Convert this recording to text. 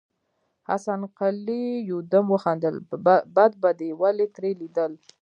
حسن قلي يودم وخندل: بد به دې ولې ترې ليدل.